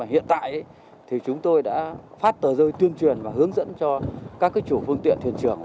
hiện tại thì chúng tôi đã phát tờ rơi tuyên truyền và hướng dẫn cho các chủ phương tiện thuyền trưởng